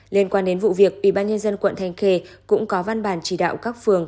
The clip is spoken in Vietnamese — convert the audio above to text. liên quan đến vụ việc ubnd quận thanh khê cũng có văn bản chỉ đạo các phường